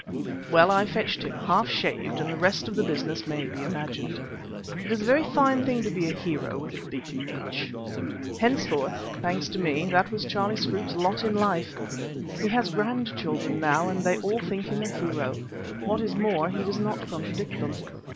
Well, I fetched him, half shaved, and the rest of the business may be imagined. It is a very fine thing to be a hero with a big H. Henceforth (thanks to me) that was Charlie Scroope's lot in life. He has grandchildren now, and they all think him a hero. What is more, he does not contradict them.